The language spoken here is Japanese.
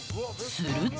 すると